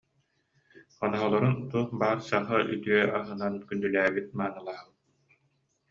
Хоноһолорун туох баар саха үтүө аһынан күндүлээбит-маанылаабыт